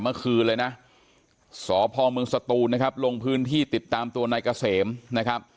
เมื่อคืนเลยนะสภรรย์บมึงสตูนะครับลงพื้นที่ติดตามตัวนาย